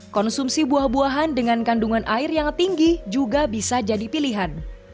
konsumsi buah buahan dengan kandungan air yang tinggi juga bisa jadi pilihan